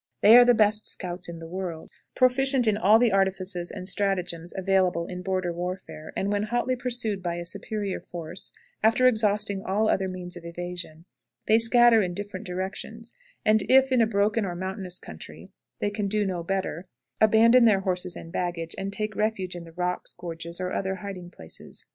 They are the best scouts in the world, proficient in all the artifices and stratagems available in border warfare, and when hotly pursued by a superior force, after exhausting all other means of evasion, they scatter in different directions; and if, in a broken or mountainous country, they can do no better, abandon their horses and baggage, and take refuge in the rocks, gorges, or other hiding places.